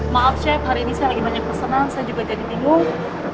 maaf chef hari ini saya lagi banyak pesanan saya juga jadi bingung